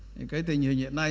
thì cái tình hình hiện nay